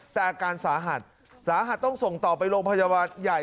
แต่อาการสาหัสสาหัสต้องส่งต่อไปโรงพยาบาลใหญ่